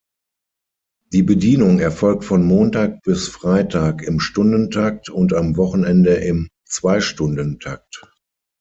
Die Bedienung erfolgt von Montag bis Freitag im Stundentakt und am Wochenende im Zweistundentakt.